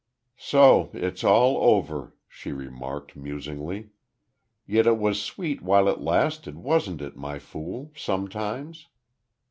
"So it's all over," she remarked, musingly. "Yet it was sweet while it lasted, wasn't it, My Fool? sometimes."